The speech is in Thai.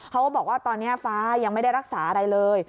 เขาก็บอกว่าตอนนี้ฟ้ายังไม่ได้รักษาอะไรเลย